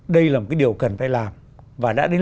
đây là một cái điều cần phải làm và đã đến